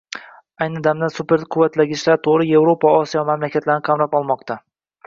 Ayni damda «Superquvvatlagichlar» to‘ri Yevropa va Osiyo mamlakatlarini qamrab olmoqda.